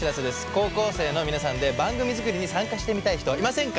高校生の皆さんで番組作りに参加してみたい人いませんか？